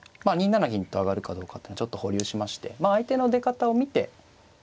２七銀と上がるかどうかっていうのはちょっと保留しまして相手の出方を見て。